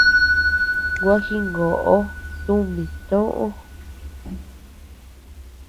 Gua jingoʼo tumi toʼö.